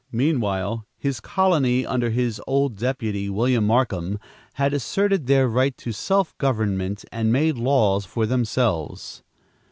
Meanwhile, his colony, under his old deputy, William Markham, had asserted their right to self government and made laws for themselves.